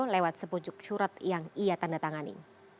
lewat sepujuk surat yang ia tanda tangani